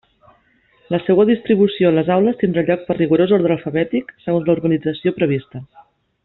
La seua distribució en les aules tindrà lloc per rigorós orde alfabètic segons l'organització prevista.